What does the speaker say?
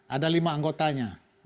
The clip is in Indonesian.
ada lima anggotanya